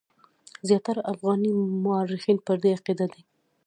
زیاتره افغاني مورخین پر دې عقیده دي.